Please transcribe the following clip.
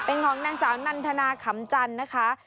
เป็นของนางสาวนันทนาขำจันทร์นะคะ